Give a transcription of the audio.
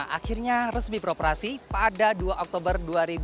akhirnya resmi beroperasi pada dua oktober dua ribu dua puluh